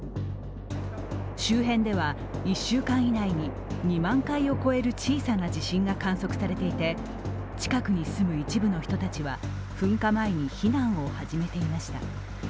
周辺では１週間以内に２万回を超える小さな地震が観測されていて近くに住む一部の人たちは噴火前に避難を始めていました。